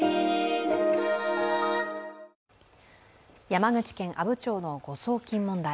山口県阿武町の誤送金問題。